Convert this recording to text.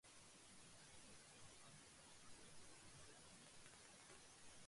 سڑکیں اورگلیاں صاف ہیں، کھیت اس گندگی سے پاک۔